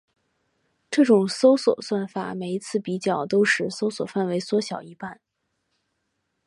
这种搜索算法每一次比较都使搜索范围缩小一半。